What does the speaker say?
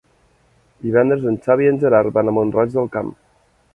Divendres en Xavi i en Gerard van a Mont-roig del Camp.